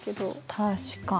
確かに。